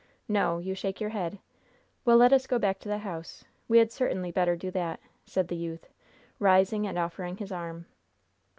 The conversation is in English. No! you shake your head. Well! let us go back to the house! We had certainly better do that!" said the youth, rising and offering his arm.